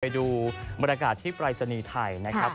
ไปดูบรรยากาศที่ปรายศนีย์ไทยนะครับ